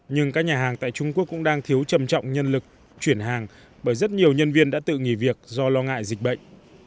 nhưng các nhà hàng tại trung quốc cũng đang thiếu trầm trọng nhân lực chuyển hàng bởi rất nhiều nhân viên đã tự nghỉ việc do lo ngại dịch bệnh